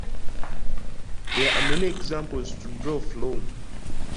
There are many examples to draw from.